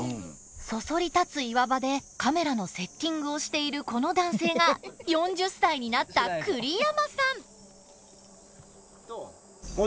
そそり立つ岩場でカメラのセッティングをしているこの男性が４０歳になった栗山さん！